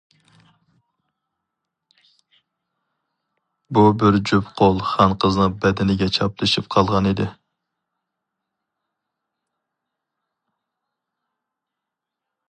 بۇ بىر جۈپ قول خانقىزنىڭ بەدىنىگە چاپلىشىپ قالغان ئىدى.